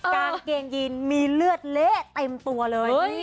กางเกงยีนมีเลือดเละเต็มตัวเลย